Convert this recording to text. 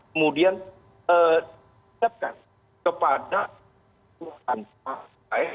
kemudian dikatakan kepada ketua umum partai